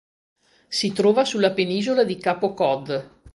Si trova sulla penisola di Capo Cod.